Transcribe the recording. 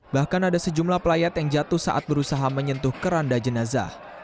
bahkan ada sejumlah pelayat yang jatuh saat berusaha menyentuh keranda jenazah